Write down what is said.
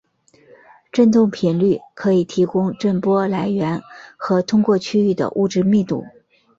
振动频率可以提供震波来源和通过区域的物质密度。